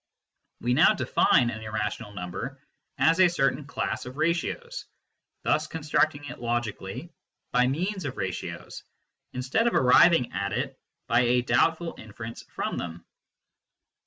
We now define an irrational number as a certain class of ratios, thus constructing it logically by means of ratios, instead of arriving at it by a doubtful inference from them.